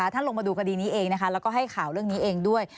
ท่านลงมาดูคดีนี้เองนะคะแล้วก็ให้ข่าวเรื่องนี้เองด้วย